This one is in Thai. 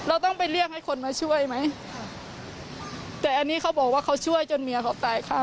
เราต้องไปเรียกให้คนมาช่วยไหมค่ะแต่อันนี้เขาบอกว่าเขาช่วยจนเมียเขาตายค่ะ